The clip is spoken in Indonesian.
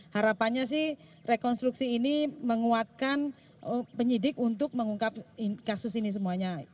harapannya sih rekonstruksi ini menguatkan penyidik untuk mengungkap kasus ini semuanya